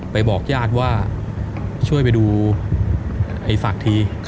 บอกญาติว่าช่วยไปดูไอ้ศักดิ์ที